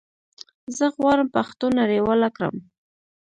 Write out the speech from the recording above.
زه غواړم پښتو نړيواله کړم